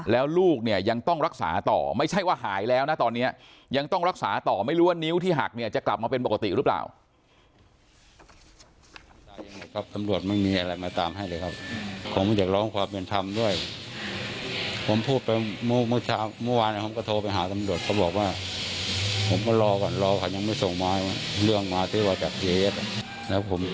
เลยครับตำรวจไม่มีอะไรมาตามให้เลยครับผมอยากร้องความเป็นทำด้วยผมพูดไปโมชอส์เมื่อวาน